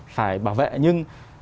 phải bảo vệ nhưng